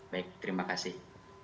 baik terima kasih